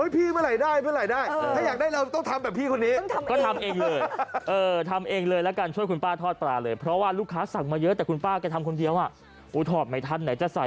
ผมก็เห็นรายเดอร์เวลาเขาปลาแบบของมันได้ช้า